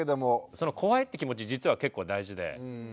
その怖いって気持ち実は結構大事で。